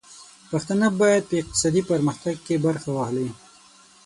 پښتانه بايد په اقتصادي پرمختګ کې خپله برخه واخلي.